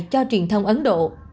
cho truyền thông ấn độ